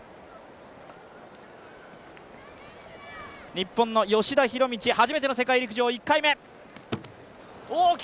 日本の吉田弘道、初めての世界陸上１回目！